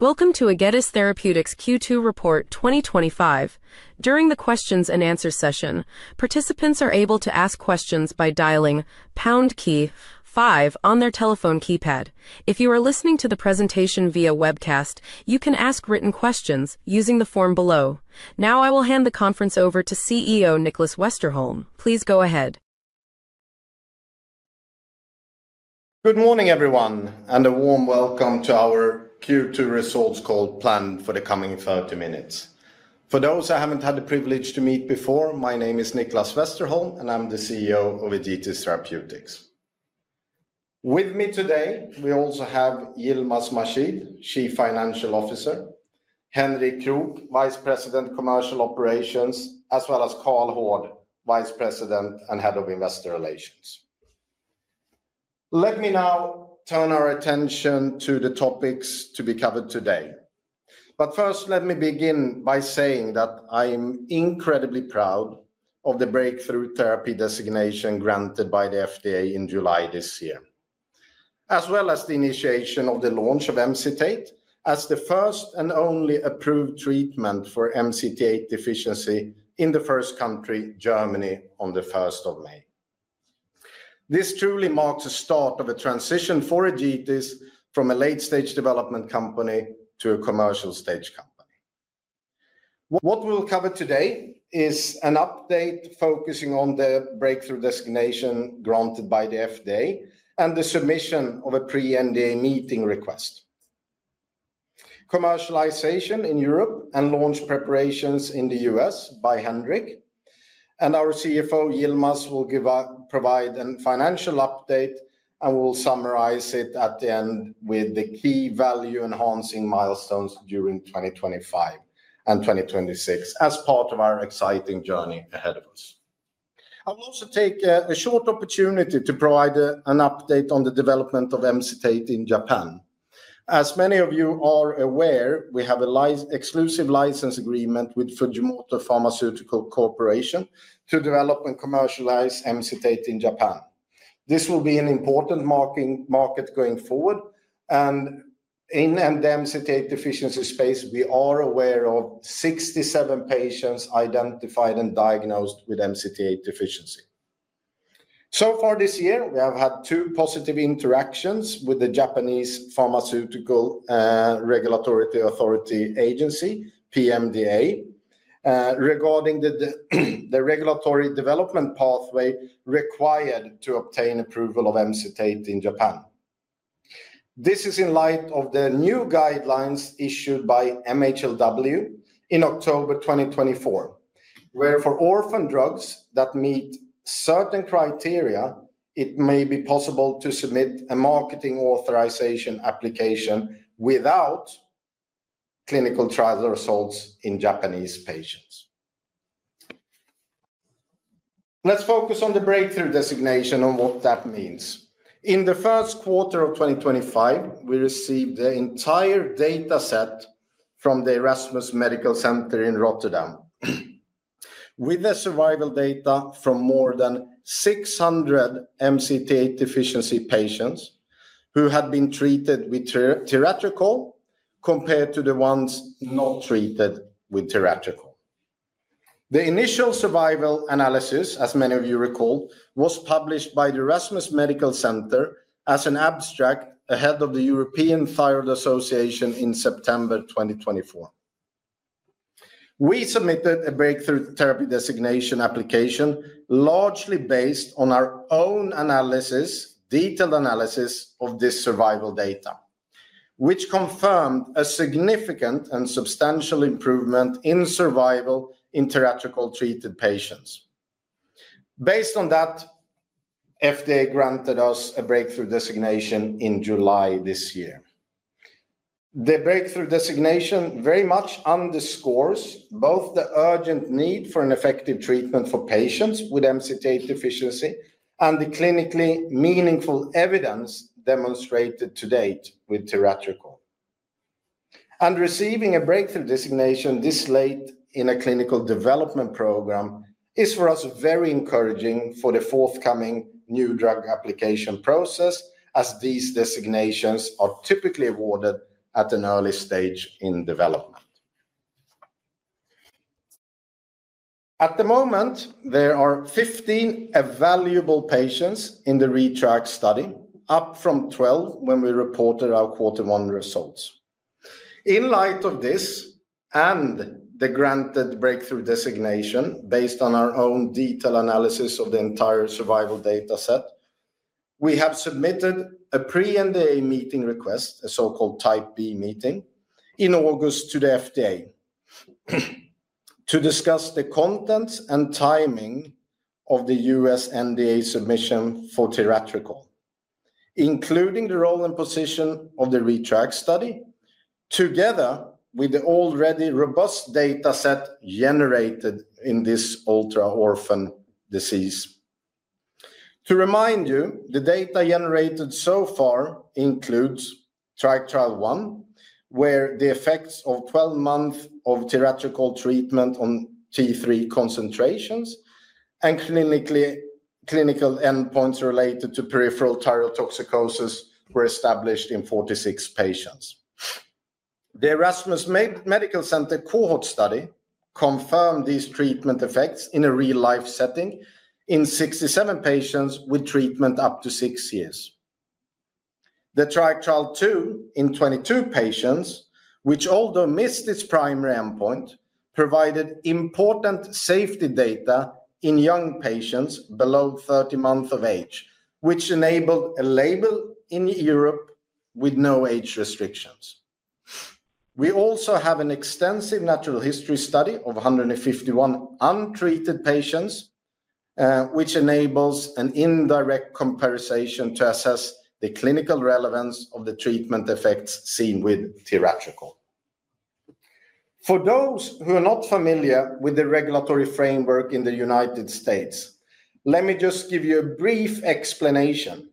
Welcome to Egetis Therapeutics Q2 Report 2025. During the questions-and-answers session, participants are able to ask questions by dialing pound key five on their telephone keypad. If you are listening to the presentation via webcast, you can ask written questions using the form below. Now, I will hand the conference over to CEO Nicklas Westerholm. Please go ahead. Good morning, everyone, and a warm welcome to our Q2 results call planned for the coming 30 minutes. For those who haven't had the privilege to meet before, my name is Nicklas Westerholm and I'm the CEO of Egetis Therapeutics. With me today, we also have Yilmaz Mahshid, Chief Financial Officer; Henrik Krook, Vice President, Commercial Operations; as well as Karl Hård, Vice President and Head of Investor Relations. Let me now turn our attention to the topics to be covered today. First, let me begin by saying that I am incredibly proud of the breakthrough therapy designation granted by the FDA in July this year, as well as the initiation of the launch of Emcitate as the first and only approved treatment for MCT8 deficiency in the first country, Germany, on the 1st of May. This truly marks the start of a transition for Egetis from a late-stage development company to a commercial-stage company. What we'll cover today is an update focusing on the breakthrough designation granted by the FDA and the submission of a pre-NDA meeting request, commercialization in Europe, and launch preparations in the U.S. by Henrik. Our CFO, Yilmaz, will provide a financial update and will summarize it at the end with the key value-enhancing milestones during 2025 and 2026 as part of our exciting journey ahead of us. I'll also take a short opportunity to provide an update on the development of Emcitate in Japan. As many of you are aware, we have an exclusive license agreement with Fujimoto Pharmaceutical Corporation to develop and commercialize Emcitate in Japan. This will be an important market going forward. In the MCT8 deficiency space, we are aware of 67 patients identified and diagnosed with MCT8 deficiency. So far this year, we have had two positive interactions with the Japanese Pharmaceutical Regulatory Authority Agency, PMDA, regarding the regulatory development pathway required to obtain approval of Emcitate in Japan. This is in light of the new guidelines issued by MHLW in October 2024, where for orphan drugs that meet certain criteria, it may be possible to submit a marketing authorization application without clinical trial results in Japanese patients. Let's focus on the breakthrough designation and what that means. In the first quarter of 2025, we received the entire dataset from the Erasmus Medical Center in Rotterdam with the survival data from more than 600 MCT8 deficiency patients who had been treated with tiratricol compared to the ones not treated with tiratricol. The initial survival analysis, as many of you recall, was published by the Erasmus Medical Center as an abstract ahead of the European Thyroid Association in September 2024. We submitted a breakthrough therapy designation application largely based on our own analysis, detailed analysis of this survival data, which confirmed a significant and substantial improvement in survival in tiratricol-treated patients. Based on that, the FDA granted us a breakthrough therapy designation in July this year. The breakthrough therapy designation very much underscores both the urgent need for an effective treatment for patients with MCT8 deficiency and the clinically meaningful evidence demonstrated to date with tiratricol. Receiving a breakthrough therapy designation this late in a clinical development program is for us very encouraging for the forthcoming New Drug Application process, as these designations are typically awarded at an early stage in development. At the moment, there are 15 evaluable patients in the ReTRIACt study, up from 12 when we reported our quarter one results. In light of this and the granted breakthrough therapy designation based on our own detailed analysis of the entire survival dataset, we have submitted a pre-NDA meeting request, a so-called type B meeting in August to the FDA to discuss the contents and timing of the U.S. NDA submission for tiratricol, including the role and position of the ReTRIACt study, together with the already robust dataset generated in this ultra-orphan disease. To remind you, the data generated so far includes Triac trial I, where the effects of 12 months of tiratricol treatment on T3 concentrations and clinical endpoints related to peripheral thyrotoxicosis were established in 46 patients. The Erasmus Medical Center cohort study confirmed these treatment effects in a real-life setting in 67 patients with treatment up to six years. The Triac trial II in 22 patients, which although missed its primary endpoint, provided important safety data in young patients below 30 months of age, which enabled a label in Europe with no age restrictions. We also have an extensive natural history study of 151 untreated patients, which enables an indirect comparison to assess the clinical relevance of the treatment effects seen with tiratricol. For those who are not familiar with the regulatory framework in the United States, let me just give you a brief explanation.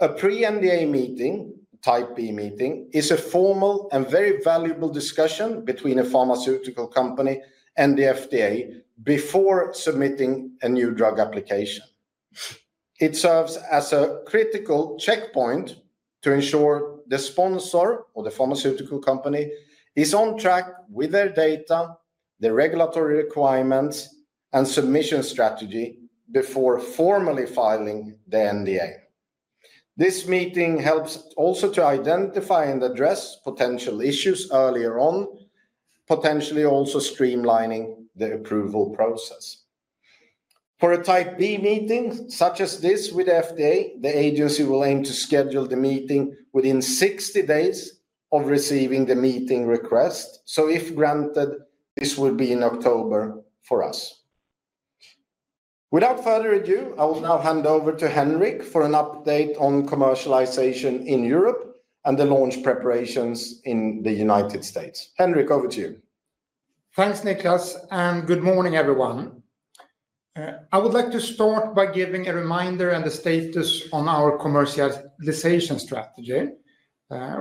A pre-NDA meeting, type B meeting, is a formal and very valuable discussion between a pharmaceutical company and the FDA before submitting a new drug application. It serves as a critical checkpoint to ensure the sponsor or the pharmaceutical company is on track with their data, the regulatory requirements, and submission strategy before formally filing the NDA. This meeting helps also to identify and address potential issues earlier on, potentially also streamlining the approval process. For a type B meeting such as this with the FDA, the agency will aim to schedule the meeting within 60 days of receiving the meeting request. If granted, this would be in October for us. Without further ado, I will now hand over to Henrik for an update on commercialization in Europe and the launch preparations in the United States. Henrik, over to you. Thanks, Nicklas, and good morning, everyone. I would like to start by giving a reminder and the status on our commercialization strategy.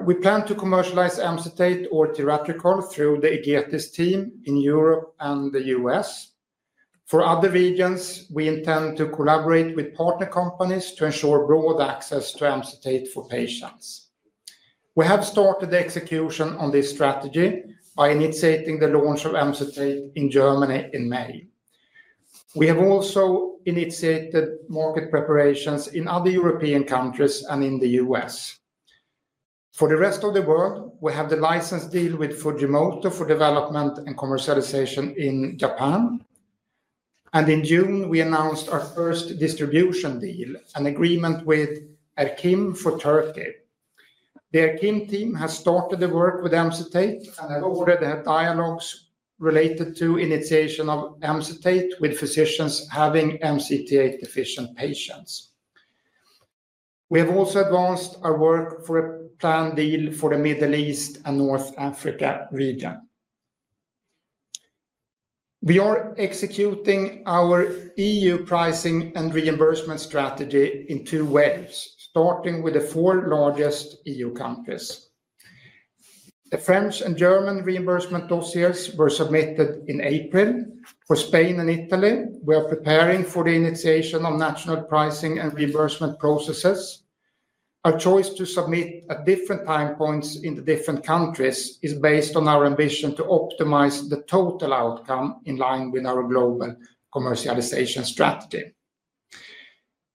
We plan to commercialize Emcitate or tiratricol through the Egetis team in Europe and the U.S. For other regions, we intend to collaborate with partner companies to ensure broad access to Emcitate for patients. We have started the execution on this strategy by initiating the launch of Emcitate in Germany in May. We have also initiated market preparations in other European countries and in the U.S. For the rest of the world, we have the license deal with Fujimoto for development and commercialization in Japan. In June, we announced our first distribution deal, an agreement with Erkim for Turkey. The Erkim team has started the work with Emcitate, ordered the dialogues related to the initiation of Emcitate with physicians having MCT8-deficient patients. We have also advanced our work for a planned deal for the Middle East and North Africa region. We are executing our EU pricing and reimbursement strategy in two waves, starting with the four largest EU countries. The French and German reimbursement dossiers were submitted in April. For Spain and Italy, we are preparing for the initiation of national pricing and reimbursement processes. Our choice to submit at different time points in the different countries is based on our ambition to optimize the total outcome in line with our global commercialization strategy.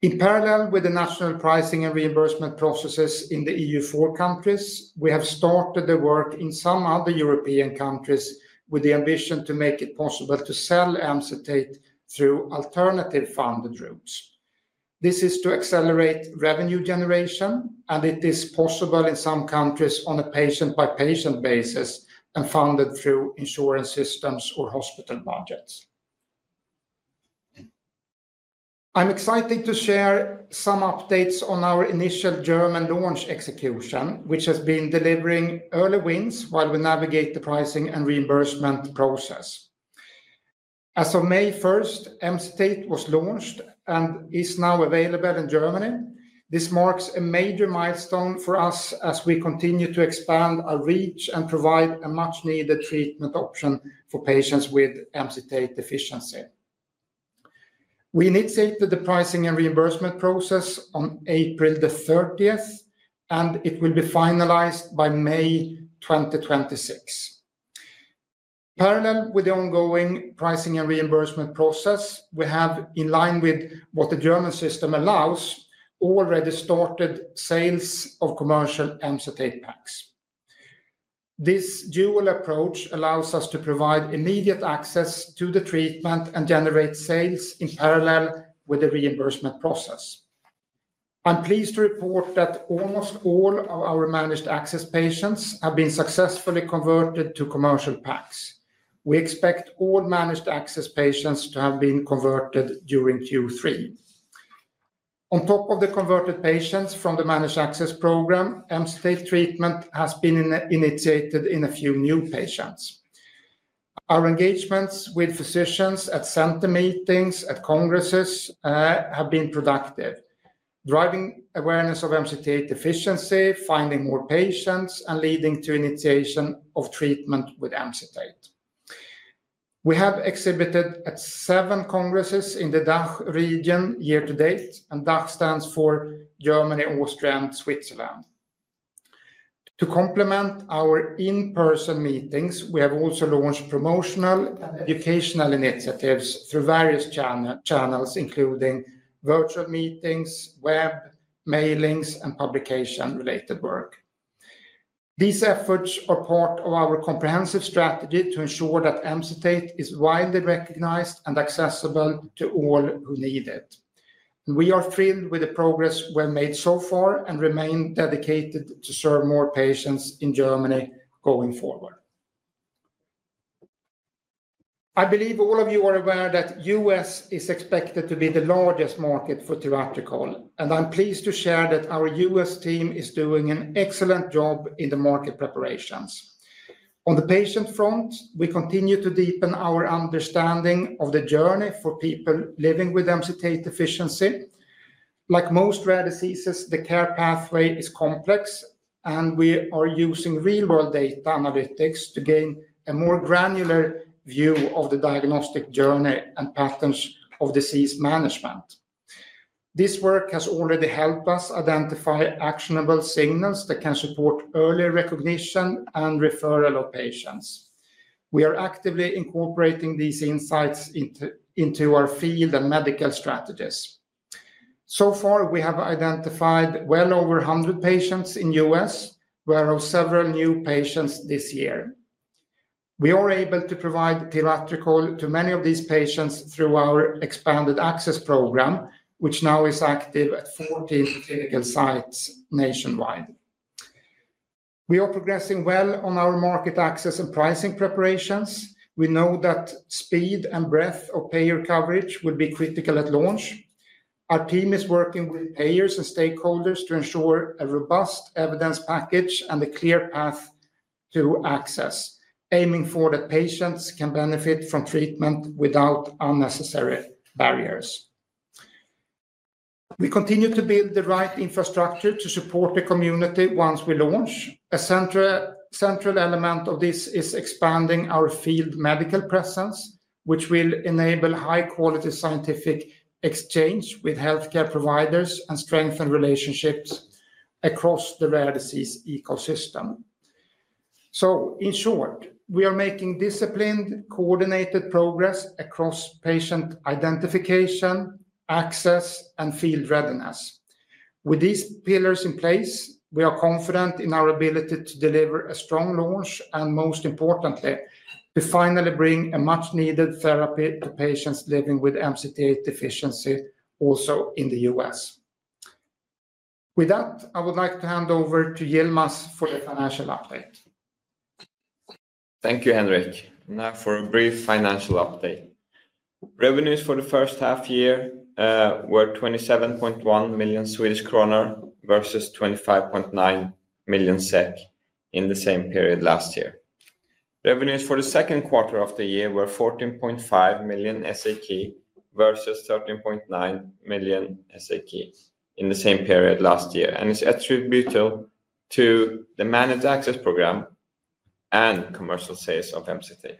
In parallel with the national pricing and reimbursement processes in the EU four countries, we have started the work in some other European countries with the ambition to make it possible to sell Emcitate through alternative funded routes. This is to accelerate revenue generation, and it is possible in some countries on a patient-by-patient basis and funded through insurance systems or hospital budgets. I'm excited to share some updates on our initial German launch execution, which has been delivering early wins while we navigate the pricing and reimbursement process. As of May 1, Emcitate was launched and is now available in Germany. This marks a major milestone for us as we continue to expand our reach and provide a much-needed treatment option for patients with MCT8 deficiency. We initiated the pricing and reimbursement process on April 30, and it will be finalized by May 2026. Parallel with the ongoing pricing and reimbursement process, we have, in line with what the German system allows, already started sales of commercial Emcitate packs. This dual approach allows us to provide immediate access to the treatment and generate sales in parallel with the reimbursement process. I'm pleased to report that almost all of our managed access patients have been successfully converted to commercial packs. We expect all managed access patients to have been converted during Q3. On top of the converted patients from the managed access program, Emcitate treatment has been initiated in a few new patients. Our engagements with physicians at center meetings at congresses have been productive, driving awareness of MCT8 deficiency, finding more patients, and leading to initiation of treatment with Emcitate. We have exhibited at seven congresses in the DACH region year to date, and DACH stands for Germany, Austria, and Switzerland. To complement our in-person meetings, we have also launched promotional educational initiatives through various channels, including virtual meetings, web mailings, and publication-related work. These efforts are part of our comprehensive strategy to ensure that Emcitate is widely recognized and accessible to all who need it. We are thrilled with the progress we have made so far and remain dedicated to serve more patients in Germany going forward. I believe all of you are aware that the U.S. is expected to be the largest market for tiratricol, and I'm pleased to share that our U.S. team is doing an excellent job in the market preparations. On the patient front, we continue to deepen our understanding of the journey for people living with Emcitate deficiency. Like most rare diseases, the care pathway is complex, and we are using real-world data analytics to gain a more granular view of the diagnostic journey and patterns of disease management. This work has already helped us identify actionable signals that can support earlier recognition and referral of patients. We are actively incorporating these insights into our field and medical strategies. So far, we have identified well over 100 patients in the U.S., where several new patients this year. We are able to provide tiratricol to many of these patients through our expanded access program, which now is active at 40 sites nationwide. We are progressing well on our market access and pricing preparations. We know that speed and breadth of payer coverage will be critical at launch. Our team is working with payers and stakeholders to ensure a robust evidence package and a clear path to access, aiming for patients to benefit from treatment without unnecessary barriers. We continue to build the right infrastructure to support the community once we launch. A central element of this is expanding our field medical presence, which will enable high-quality scientific exchange with healthcare providers and strengthen relationships across the rare disease ecosystem. In short, we are making disciplined, coordinated progress across patient identification, access, and field readiness. With these pillars in place, we are confident in our ability to deliver a strong launch and, most importantly, to finally bring a much-needed therapy to patients living with MCT8 deficiency also in the U.S. With that, I would like to hand over to Yilmaz for the financial update. Thank you, Henrik. Now for a brief financial update. Revenues for the first half year were 27.1 million Swedish kronor versus 25.9 million SEK in the same period last year. Revenues for the second quarter of the year were 14.5 million versus 13.9 million in the same period last year, and it's attributable to the managed access program and commercial sales of Emcitate.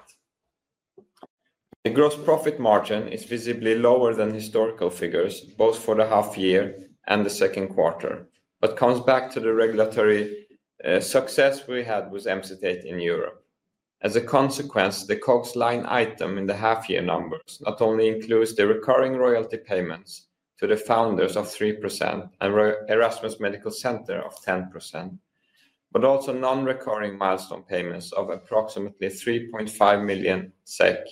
The gross profit margin is visibly lower than historical figures, both for the half year and the second quarter, but comes back to the regulatory success we had with Emcitate in Europe. As a consequence, the COGS line item in the half-year numbers not only includes the recurring royalty payments to the founders of 3% and Erasmus Medical Center of 10%, but also non-recurring milestone payments of approximately 3.5 million SEK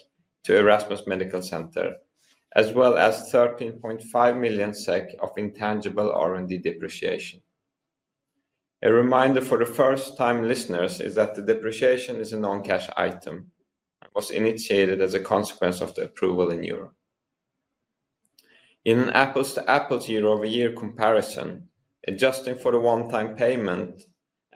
to Erasmus Medical Center, as well as 13.5 million SEK of intangible R&D depreciation. A reminder for the first-time listeners is that the depreciation is a non-cash item and was initiated as a consequence of the approval in Europe. In an apples-to-apples year-over-year comparison, adjusting for the one-time payment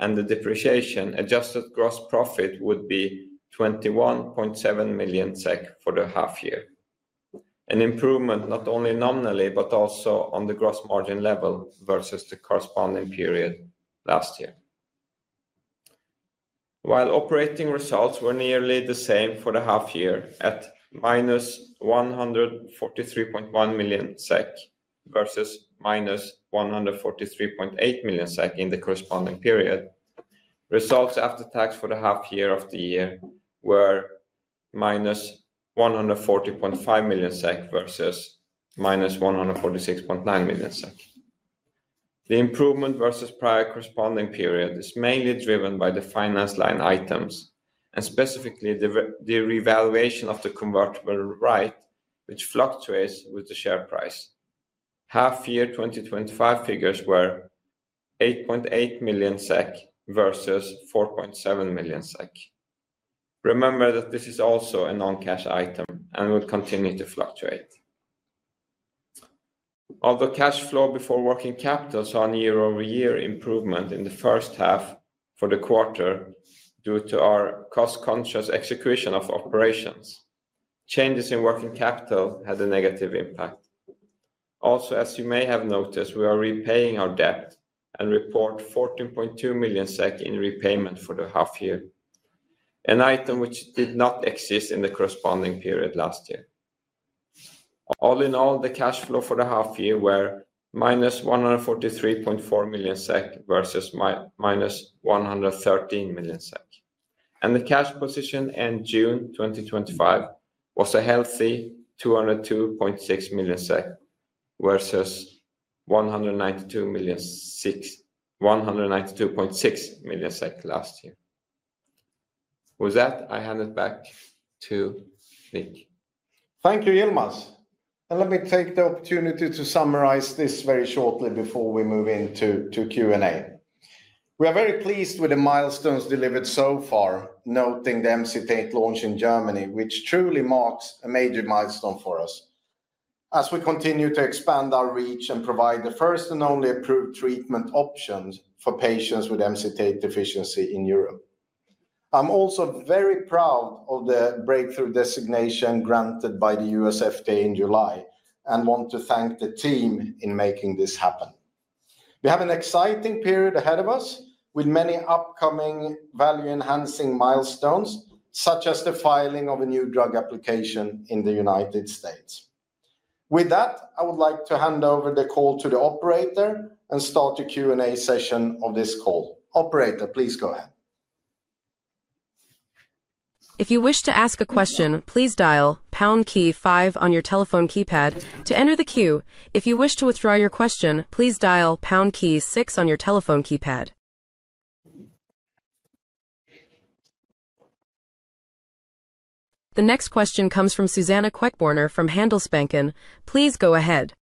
and the depreciation, adjusted gross profit would be 21.7 million SEK for the half year, an improvement not only nominally but also on the gross margin level versus the corresponding period last year. While operating results were nearly the same for the half year at -143.1 million SEK versus -143.8 million SEK in the corresponding period, results after tax for the half year of the year were -140.5 million SEK versus -146.9 million SEK. The improvement versus prior corresponding period is mainly driven by the finance line items and specifically the revaluation of the convertible right, which fluctuates with the share price. Half year 2025 figures were 8.8 million SEK versus 4.7 million SEK. Remember that this is also a non-cash item and will continue to fluctuate. Although cash flow before working capital saw a year-over-year improvement in the first half for the quarter due to our cost-conscious execution of operations, changes in working capital had a negative impact. Also, as you may have noticed, we are repaying our debt and report 14.2 million SEK in repayment for the half year, an item which did not exist in the corresponding period last year. All in all, the cash flow for the half year were -143.4 million SEK versus -113 million SEK, and the cash position end June 2025 was a healthy 202.6 million SEK versus 192.6 million SEK last year. With that, I hand it back to Nick. Thank you, Yilmaz. Let me take the opportunity to summarize this very shortly before we move into Q&A. We are very pleased with the milestones delivered so far, noting the Emcitate launch in Germany, which truly marks a major milestone for us as we continue to expand our reach and provide the first and only approved treatment options for patients with MCT8 deficiency in Europe. I'm also very proud of the breakthrough therapy designation granted by the U.S. FDA in July and want to thank the team in making this happen. We have an exciting period ahead of us with many upcoming value-enhancing milestones, such as the filing of a New Drug Application in the United States. With that, I would like to hand over the call to the operator and start the Q&A session of this call. Operator, please go ahead. If you wish to ask a question, please dial pound key five on your telephone keypad to enter the queue. If you wish to withdraw your question, please dial pound key six on your telephone keypad. The next question comes from Suzanna Queckbörner from Handelsbanken. Please go ahead.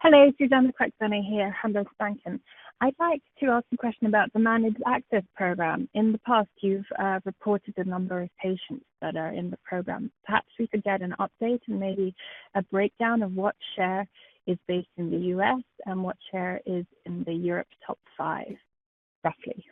Hello, Suzanna Queckbörner here, Handelsbanken. I'd like to ask a question about the managed access program. In the past, you've reported a number of patients that are in the program. Perhaps we could get an update and maybe a breakdown of what share is based in the U.S. and what share is in the Europe top five, roughly.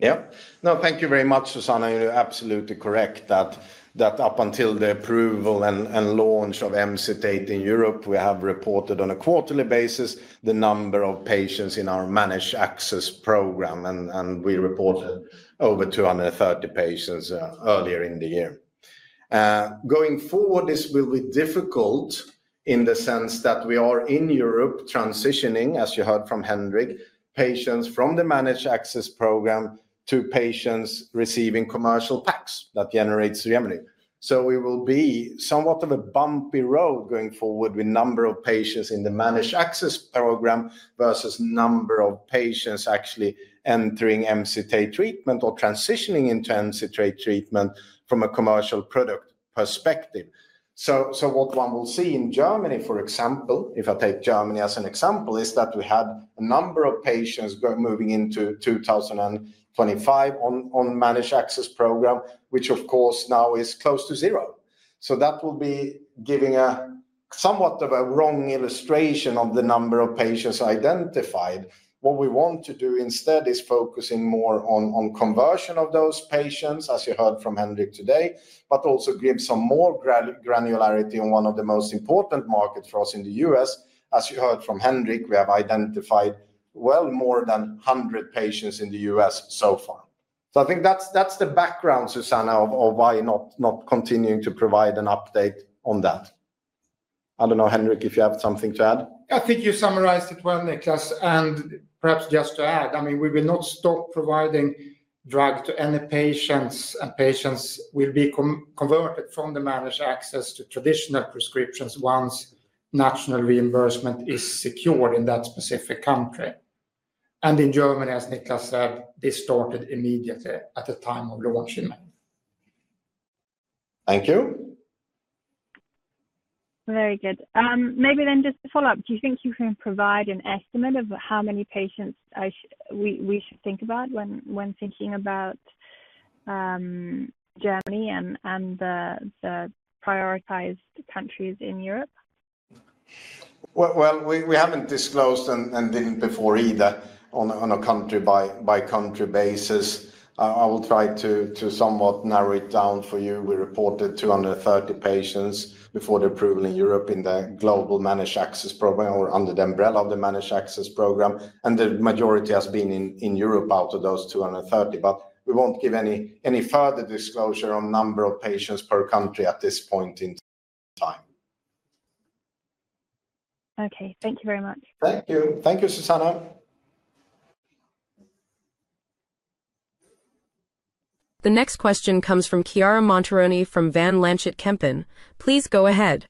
Yeah. No, thank you very much, Suzanna. You're absolutely correct that up until the approval and launch of Emcitate in Europe, we have reported on a quarterly basis the number of patients in our managed access program, and we report over 230 patients earlier in the year. Going forward, this will be difficult in the sense that we are in Europe transitioning, as you heard from Henrik, patients from the managed access program to patients receiving commercial packs that generate revenue. We will be somewhat of a bumpy road going forward with the number of patients in the managed access program versus the number of patients actually entering Emcitate treatment or transitioning into Emcitate treatment from a commercial product perspective. What one will see in Germany, for example, if I take Germany as an example, is that we had a number of patients moving into 2025 on the managed access program, which of course now is close to zero. That will be giving a somewhat of a wrong illustration of the number of patients identified. What we want to do instead is focusing more on conversion of those patients, as you heard from Henrik today, but also give some more granularity on one of the most important markets for us in the U.S. As you heard from Henrik, we have identified well more than 100 patients in the U.S. so far. I think that's the background, Susanna, of why not continuing to provide an update on that. I don't know, Henrik, if you have something to add. I think you summarized it well, Nicklas. Perhaps just to add, I mean, we will not stop providing drugs to any patients, and patients will be converted from the managed access to traditional prescriptions once national reimbursement is secured in that specific country. In Germany, as Nicklas said, this started immediately at the time of launching. Thank you. Very good. Maybe then just to follow up, do you think you can provide an estimate of how many patients we should think about when thinking about Germany and the prioritized countries in Europe? We haven't disclosed and didn't before either on a country-by-country basis. I will try to somewhat narrow it down for you. We reported 230 patients before the approval in Europe in the global managed access program or under the umbrella of the managed access program, and the majority has been in Europe out of those 230. We won't give any further disclosure on the number of patients per country at this point in time. Okay, thank you very much. Thank you. Thank you, Susanna. The next question comes from Chiara Montironi from Van Lanschot Kempen. Please go ahead.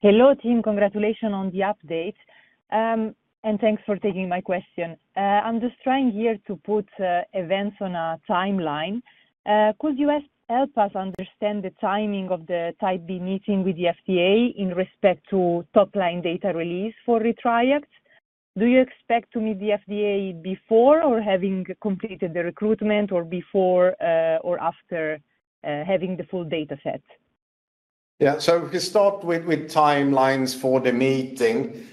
Hello, team. Congratulations on the update. Thanks for taking my question. I'm just trying here to put events on a timeline. Could you help us understand the timing of the type B meeting with the FDA in respect to top-line data release for tiratricol? Do you expect to meet the FDA before having completed the recruitment or before or after having the full dataset? Yeah. We can start with timelines for the meeting.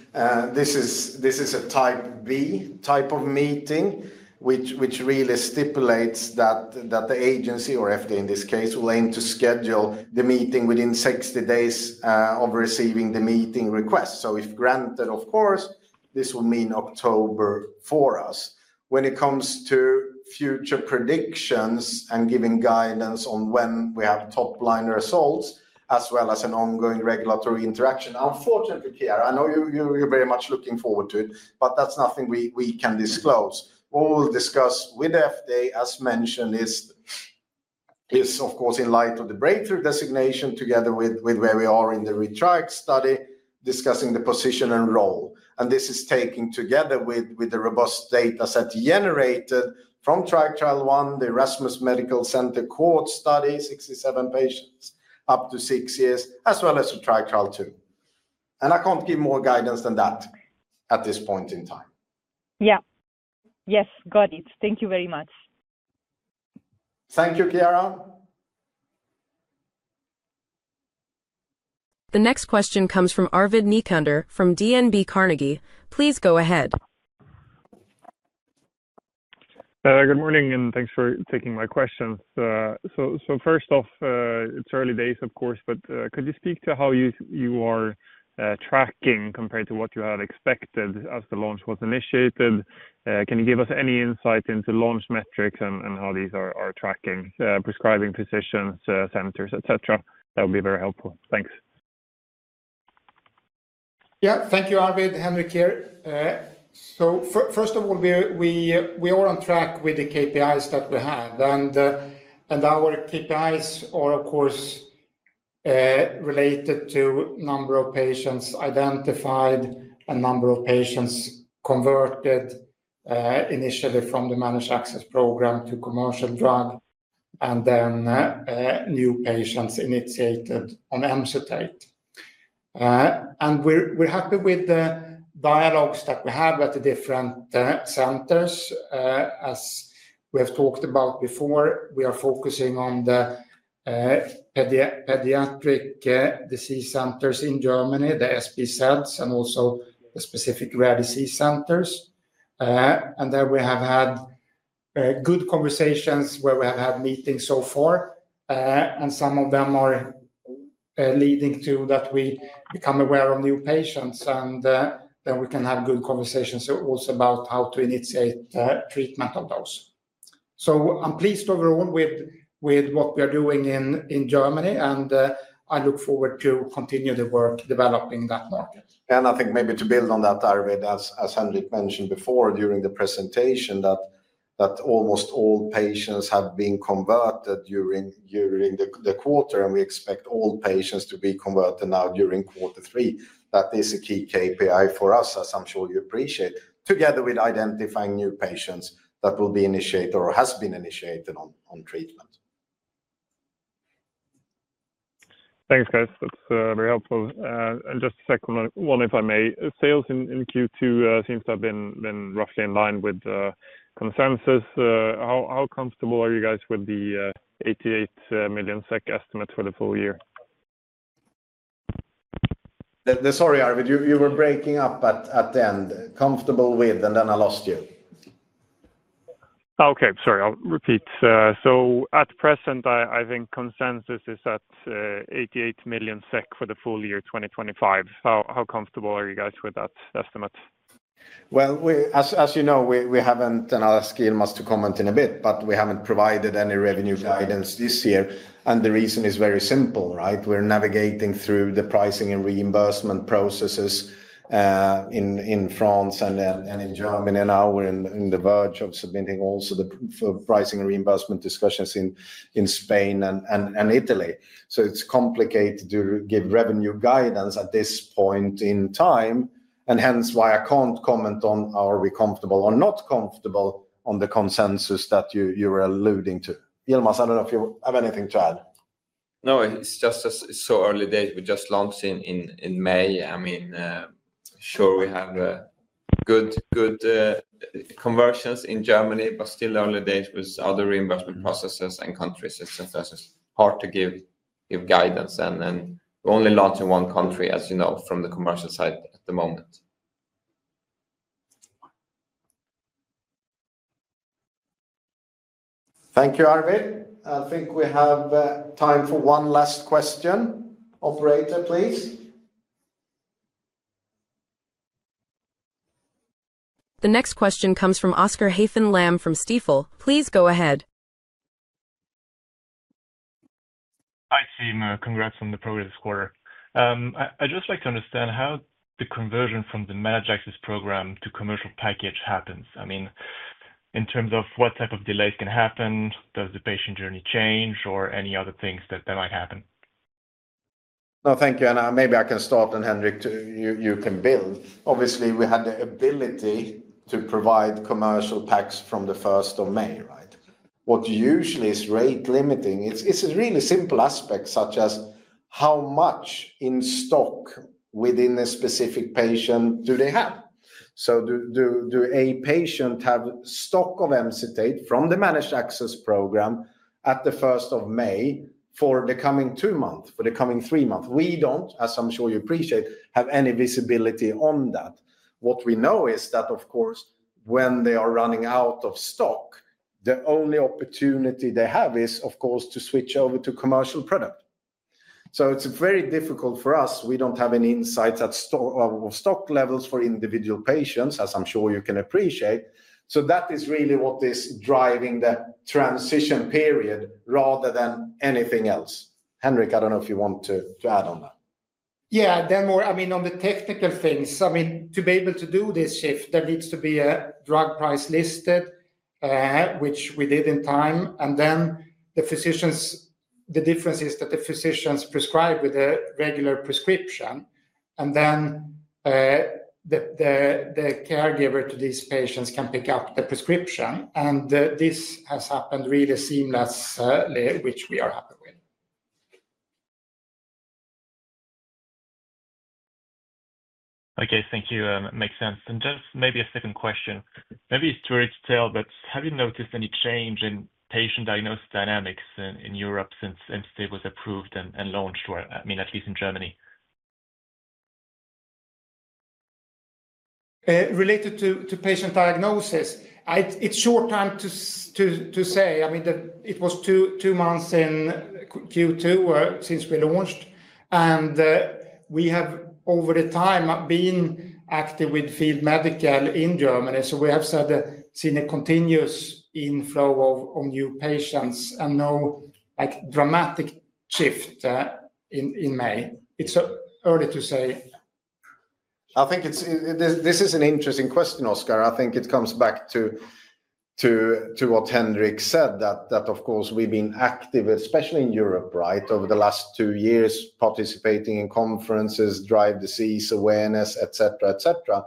This is a type B type of meeting, which really stipulates that the agency, or FDA in this case, will aim to schedule the meeting within 60 days of receiving the meeting request. If granted, of course, this will mean October for us. When it comes to future predictions and giving guidance on when we have top-line results, as well as an ongoing regulatory interaction, unfortunately, Chiara, I know you're very much looking forward to it, but that's nothing we can disclose. All discussed with FDA, as mentioned, is, of course, in light of the breakthrough therapy designation together with where we are in the ReTRIACt study, discussing the position and role. This is taken together with the robust dataset generated from Triac trial I, the Erasmus Medical Center cohort study, 67 patients up to six years, as well as the Triac trial II. I can't give more guidance than that at this point in time. Yes, got it. Thank you very much. Thank you, Chiara. The next question comes from Arvid Necander from DNB Carnegie. Please go ahead. Good morning, and thanks for taking my question. First off, it's early days, of course, but could you speak to how you are tracking compared to what you had expected as the launch was initiated? Can you give us any insight into launch metrics and how these are tracking, prescribing physicians, centers, et cetera? That would be very helpful. Thanks. Thank you, Arvid. Henrik here. First of all, we are on track with the KPIs that we have. Our KPIs are, of course, related to the number of patients identified and the number of patients converted initially from the managed access program to commercial drug and then new patients initiated on Emcitate. We're happy with the dialogues that we have at the different centers. As we have talked about before, we are focusing on the pediatric disease centers in Germany, the SB Cells, and also the specific rare disease centers. There we have had good conversations where we have had meetings so far, and some of them are leading to that we become aware of new patients, and then we can have good conversations also about how to initiate treatment of those. I'm pleased overall with what we are doing in Germany, and I look forward to continuing the work developing that market. I think maybe to build on that, Arvid, as Henrik mentioned before during the presentation, almost all patients have been converted during the quarter, and we expect all patients to be converted now during quarter three. That is a key KPI for us, as I'm sure you appreciate, together with identifying new patients that will be initiated or have been initiated on treatment. Thanks, guys. That's very helpful. Just a second one, if I may. Sales in Q2 seem to have been roughly in line with consensus. How comfortable are you guys with the 88 million SEK estimates for the full year? Sorry, Arvid, you were breaking up at the end. Comfortable with, and then I lost you. Okay. Sorry. I'll repeat. At present, I think consensus is at 88 million SEK for the full year 2025. How comfortable are you guys with that estimate? As you know, we haven't, and I'll ask Yilmaz to comment in a bit, but we haven't provided any revenue guidance this year. The reason is very simple, right? We're navigating through the pricing and reimbursement processes in France and in Germany, and now we're on the verge of submitting also the pricing and reimbursement discussions in Spain and Italy. It's complicated to give revenue guidance at this point in time, and hence why I can't comment on are we comfortable or not comfortable on the consensus that you were alluding to. Yilmaz, I don't know if you have anything to add. No, it's just so early days. We just launched in May. I mean, sure, we have good conversions in Germany, but still early days with other reimbursement processes and countries. It's just hard to give guidance, and we're only launching one country, as you know, from the commercial side at the moment. Thank you, Arvid. I think we have time for one last question. Operator, please. The next question comes from Oscar Haffen Lamm from Stifel. Please go ahead. Congrats on the progress this quarter. I'd just like to understand how the conversion from the managed access program to commercial package happens. I mean, in terms of what type of delays can happen, does the patient journey change, or any other things that might happen? No, thank you. Maybe I can start, and Henrik, you can build. Obviously, we had the ability to provide commercial packs from the 1st of May, right? What usually is rate limiting is a really simple aspect, such as how much in stock within a specific patient do they have? Do a patient have stock of Emcitate from the managed access program at the 1st of May for the coming two months, for the coming three months? We don't, as I'm sure you appreciate, have any visibility on that. What we know is that, of course, when they are running out of stock, the only opportunity they have is, of course, to switch over to commercial product. It's very difficult for us. We don't have any insights of stock levels for individual patients, as I'm sure you can appreciate. That is really what is driving the transition period rather than anything else. Henrik, I don't know if you want to add on that. Yeah, then more. On the technical things, to be able to do this shift, there needs to be a drug price listed, which we did in time. The difference is that the physicians prescribe with a regular prescription, and then the caregiver to these patients can pick up the prescription. This has happened really seamlessly, which we are happy with. Okay, thank you. It makes sense. Maybe a second question. Maybe it's too early to tell, but have you noticed any change in patient diagnosis dynamics in Europe since Emcitate was approved and launched? I mean, at least in Germany. Related to patient diagnosis, it's a short time to say. I mean, it was two months in Q2 since we launched, and we have, over the time, been active with field medical in Germany. We have seen a continuous inflow of new patients and no dramatic shift in May. It's early to say. I think this is an interesting question, Oscar. I think it comes back to what Henrik said, that, of course, we've been active, especially in Europe, over the last two years, participating in conferences, drive disease awareness, et cetera, et cetera.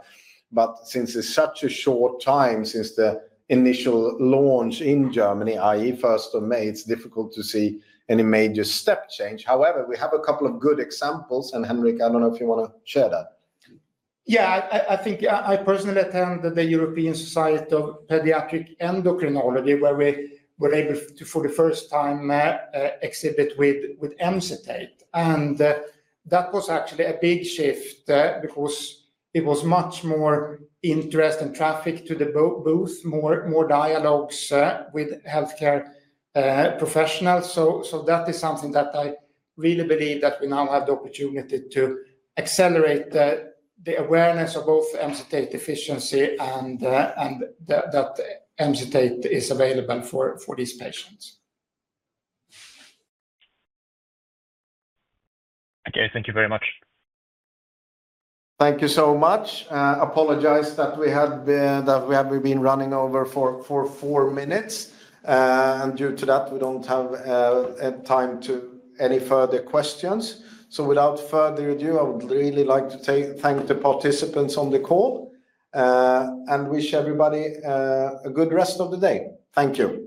Since it's such a short time since the initial launch in Germany, i.e. 1st of May, it's difficult to see any major step change. However, we have a couple of good examples, and Henrik, I don't know if you want to share that. Yeah, I think I personally attended the European Society of Pediatric Endocrinology, where we were able to, for the first time, exhibit with Emcitate. That was actually a big shift because it was much more interest and traffic to the booth, more dialogues with healthcare professionals. That is something that I really believe that we now have the opportunity to accelerate the awareness of both Emcitate deficiency and that Emcitate is available for these patients. Okay, thank you very much. Thank you so much. I apologize that we have been running over for four minutes. Due to that, we don't have time for any further questions. Without further ado, I would really like to thank the participants on the call and wish everybody a good rest of the day. Thank you.